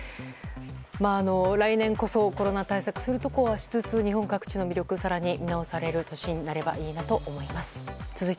来年こそコロナ対策をするところはしつつ日本各地の魅力更に見直される年になればいいなと思います。